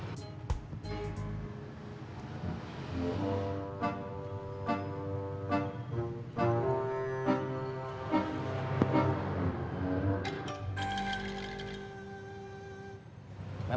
memang ini dia